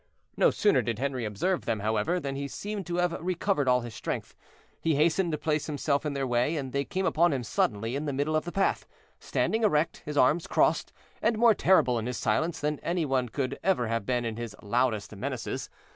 No sooner did Henri observe them, however, than he seemed to have recovered all his strength; he hastened to place himself in their way, and they came upon him suddenly in the middle of the path, standing erect, his arms crossed, and more terrible in his silence than any one could ever have been in his loudest menaces.